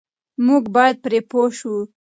موږ بايد پرې پوه شو.